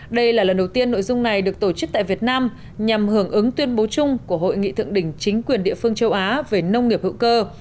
đây là lần đầu tiên nội dung này được tổ chức tại việt nam nhằm hưởng ứng tuyên bố chung của hội nghị thượng đỉnh chính quyền địa phương châu á về nông nghiệp hữu cơ